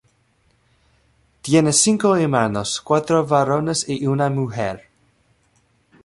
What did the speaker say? Tiene cinco hermanos, cuatro varones y una mujer.